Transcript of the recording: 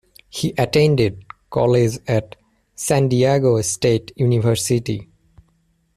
He attended college at San Diego State University.